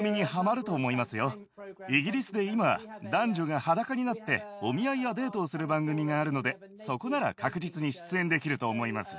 イギリスで今男女が裸になってお見合いやデートをする番組があるのでそこなら確実に出演できると思います。